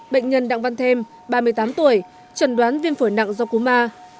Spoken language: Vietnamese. bệnh nhân đặng văn thêm ba mươi tám tuổi trần đoán viêm phổi nặng do cú ma